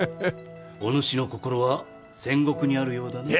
お主の心は戦国にあるようだな。